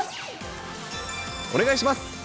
お願いします。